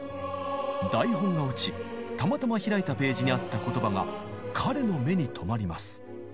台本が落ちたまたま開いたページにあった言葉が彼の目に留まります。